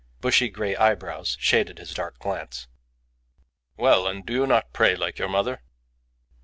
Bushy grey eyebrows shaded his dark glance. "Well! And do you not pray like your mother?"